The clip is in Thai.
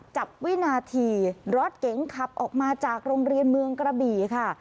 วินาทีรถเก๋งขับออกมาจากโรงเรียนเมืองกระบี่ค่ะ